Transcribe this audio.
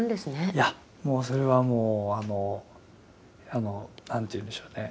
いやそれはもうなんていうんでしょうね